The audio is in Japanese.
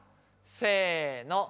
せの。